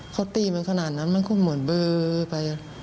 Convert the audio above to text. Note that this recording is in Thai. เขาตีมันขนาดนั้นมันก็เหมือนเบอร์ไป